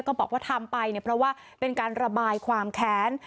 ก็บอกว่าทำไปเนี่ยเพราะว่าเป็นการระบายความแค้น